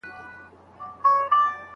ایا شاګرد د لوړ ږغ سره پاڼه ړنګوي؟